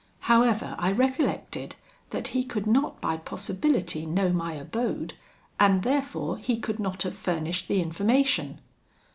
However, I recollected that he could not by possibility know my abode; and therefore, he could not have furnished the information.